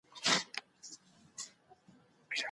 هغه غوښتل چې د نورو په څېر یو ارام ژوند ولري.